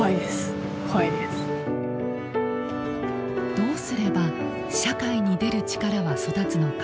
どうすれば社会に出る力は育つのか。